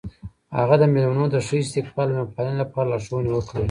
هغه د میلمنو د ښه استقبال او میلمه پالنې لپاره لارښوونې وکړې.